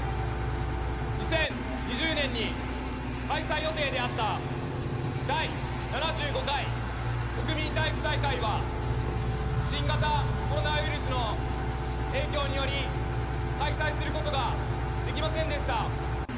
２０２０年に開催予定であった第７５回国民体育大会は新型コロナウイルスの影響により開催することができませんでした。